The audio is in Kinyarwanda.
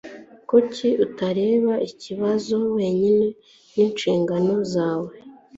Kuki utareba ikibazo wenyine Ninshingano zawe